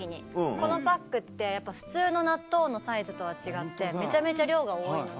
このパックって普通の納豆のサイズとは違ってめちゃめちゃ量が多いので。